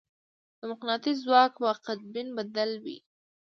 د مقناطیس ځواک په قطبین بدل وي.